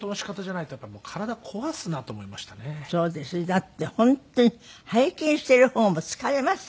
だって本当に拝見している方も疲れますよ。